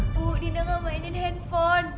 bu dinda nggak mainin handphone